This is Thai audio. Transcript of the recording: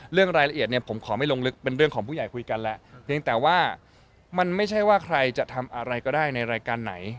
เรื่องรายละเอียดเนี่ยผมขอไม่ลงลึกเป็นเรื่องของผู้ใหญ่คุยกันแล้วเพียงแต่ว่ามันไม่ใช่ว่าใครจะทำอะไรก็ได้ในรายการไหน